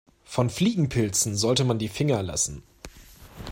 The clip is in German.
Von Fliegenpilzen sollte man die Finger lassen.